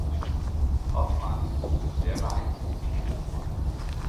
Hoffmann, die ihn sehr beeinflussten.